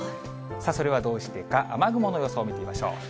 それはどうしてか、雨雲の予想を見てみましょう。